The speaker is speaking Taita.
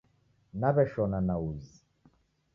Naw'eshona na uzi